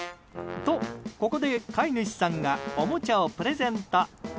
と、ここで飼い主さんがおもちゃをプレゼント。